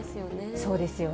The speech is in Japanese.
そうですよね。